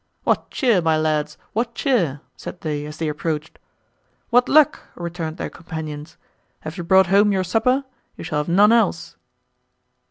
"What cheer, my lads? what cheer?" said they, as they approached. "What luck?" returned their companions: "have you brought home your supper? You shall have none else."